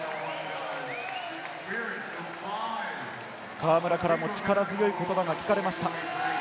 河村からも力強い言葉が聞かれました。